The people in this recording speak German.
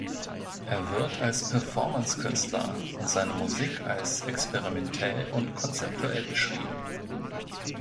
Er wird als „Performancekünstler“ und seine Musik als experimentell und konzeptuell beschrieben.